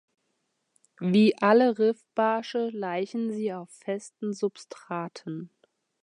Wie alle Riffbarsche laichen sie auf festen Substraten.